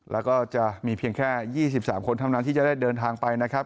แล้วก็จะมีเพียงแค่๒๓คนเท่านั้นที่จะได้เดินทางไปนะครับ